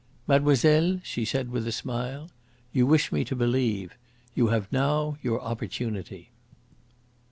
"Mademoiselle," she said, with a smile, "you wish me to believe. You have now your opportunity."